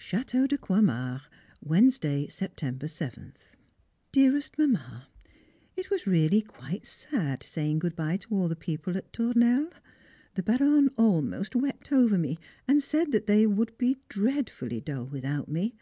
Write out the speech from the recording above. Château de Croixmare, Wednesday, September 7th. [Sidenote: Hippolyte's Testimonial] Dearest Mamma, It was really quite sad saying good bye to all the people at Tournelle. The Baronne almost wept over me, and said that they would be dreadfully dull without me.